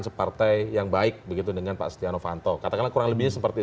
separtai yang baik begitu dengan pak setia novanto katakanlah kurang lebihnya seperti